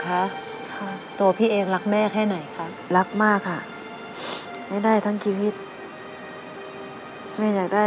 อันนั้นจะขอให้เธอยังไม่ตาย